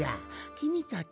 きみたち